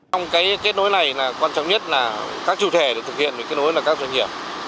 trong kết nối này quan trọng nhất là các chủ thể được thực hiện kết nối là các doanh nghiệp